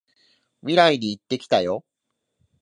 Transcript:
未来に行ってきたよ！